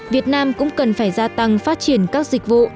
việt nam cũng cần phải gia tăng phát triển các dịch vụ